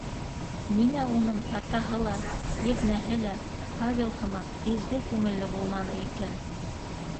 Ниңә уның атаһы ла, еҙнәһе лә Павел һымаҡ изге күңелле булманы икән?